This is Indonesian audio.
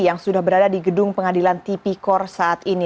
yang sudah berada di gedung pengadilan tipikor saat ini